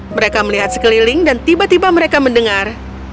mereka melihat sekeliling dan tiba tiba mereka mendengar